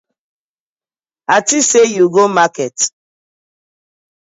A tink sey you go market.